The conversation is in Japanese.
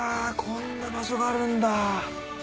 こんな場所があるんだ。